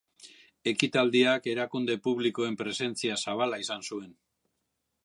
Ekitaldiak erakunde publikoen presentzia zabala izan zuen.